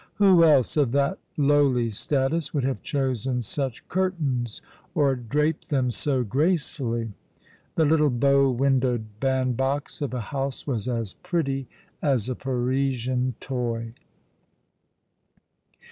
^\'ho else, of that lowly status, would have chosen such curtains or draped them so gracefully? The little bow windowed band box of a house was as pretty as a Parisian toy.